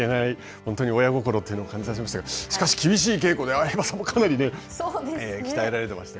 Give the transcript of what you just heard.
本当に親心というのを感じさせましたけど、しかし厳しい稽古で相葉さんもかなり鍛えられていましたが。